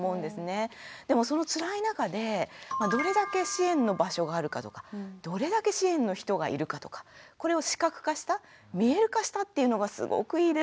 でもそのつらい中でどれだけ支援の場所があるかとかどれだけ支援の人がいるかとかこれを視覚化した見える化したっていうのがすごくいいですよねえ。